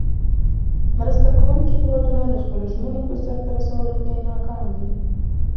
مرسته کوونکې هیوادونه د خپلو ژمنو په سر ته رسولو کې ناکام دي.